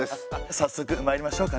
早速まいりましょうかね。